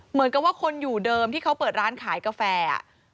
เหมือนกับว่าคนอยู่เดิมที่เขาเปิดร้านขายกาแฟ